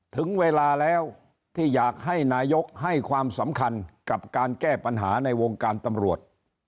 ถึงเวลาแล้วที่อยากให้นายกให้ความสำคัญกับการแก้ปัญหาในวงการตำรวจ